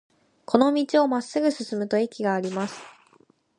この道をまっすぐ進むと駅があります。